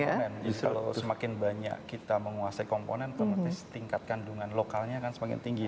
kalau semakin banyak kita menguasai komponen otomatis tingkat kandungan lokalnya akan semakin tinggi